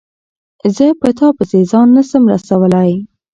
زه په تا پسي ځان نه سم رسولای